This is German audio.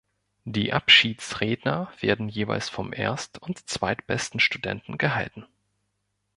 Die Abschiedsredner werden jeweils vom erst- und zweitbesten Studenten gehalten.